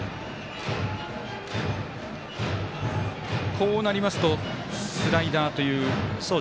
こうなりますとスライダーという。